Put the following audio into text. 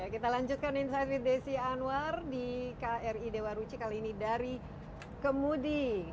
kita lanjutkan insight with desi anwar di kri dewa ruci kali ini dari kemudi